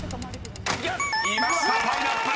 ［いました「パイナップル」！